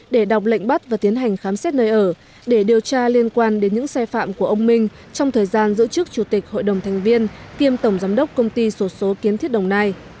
để đọc lệnh bắt và tiến hành khám xét nơi ở để điều tra liên quan đến những sai phạm của ông minh trong thời gian giữ chức chủ tịch hội đồng thành viên kiêm tổng giám đốc công ty sổ số kiến thiết đồng nai